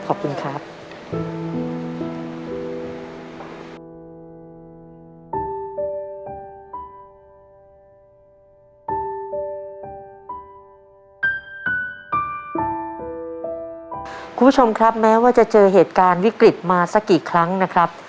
คุณผู้ชมครับแม้ว่าจะเจอเหตุการณ์วิกฤตมาสักกี่ครั้งนะครับ